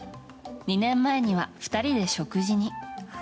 ２年前には２人で食事に。